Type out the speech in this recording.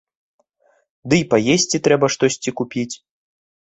Дый паесці трэба штосьці купіць.